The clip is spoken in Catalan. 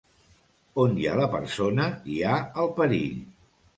On hi ha la persona, hi ha el perill.